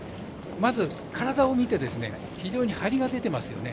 まず体を見て非常にハリが出てますよね。